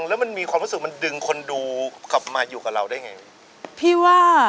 แล้วมันมีความรู้สึกมันดึงคนดูกลับมาอยู่กับเราได้ไงพี่ว่า